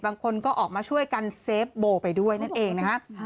บางคนก็ออกมาช่วยกันเซฟโบไปด้วยนั่นเองนะฮะ